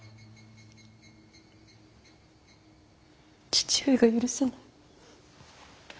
父上が許せない。